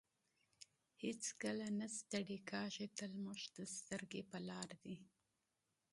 هېڅکله نه ستړی کیږي تل موږ ته سترګې په لار دی.